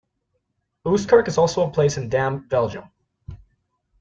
Oostkerke is also a place in Damme, Belgium.